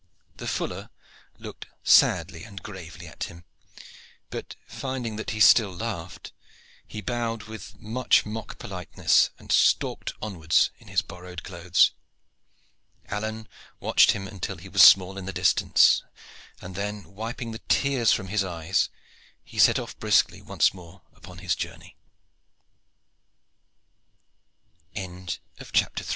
The fuller looked sadly and gravely at him; but finding that he still laughed, he bowed with much mock politeness and stalked onwards in his borrowed clothes. Alleyne watched him until he was small in the distance, and then, wiping the tears from his eyes, he set off briskly once more upon his journey. CHAPTER IV.